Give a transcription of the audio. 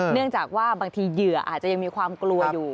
เนื่องจากว่าบางทีเหยื่ออาจจะยังมีความกลัวอยู่